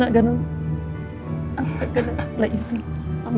aku nggak akan biarkan kamu